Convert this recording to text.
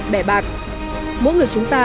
bẻ bạc mỗi người chúng ta